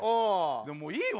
でももういいよ